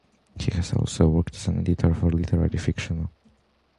He has also worked as an editor of literary fiction.